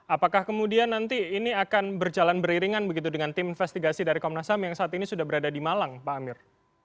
apakah kemudian nanti ini akan berjalan beriringan begitu dengan tim investigasi dari komnas ham yang saat ini sudah berada di malang pak amir